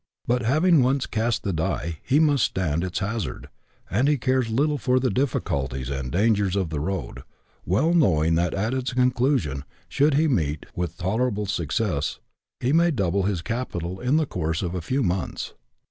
But having once cast the die, he must stand its hazard, and he cares little for the difficulties and dangers of the road, well knowing that at its conclusion, should he meet with tolerable success, he may double his capital in the course of a few months.